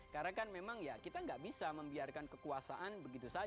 karena kan memang ya kita nggak bisa membiarkan kekuasaan begitu saja